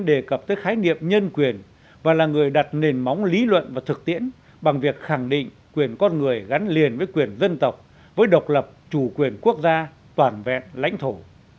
đề cập tới khái niệm nhân quyền và là người đặt nền móng lý luận và thực tiễn bằng việc khẳng định quyền con người gắn liền với quyền dân tộc với độc lập chủ quyền quốc gia toàn vẹn lãnh thổ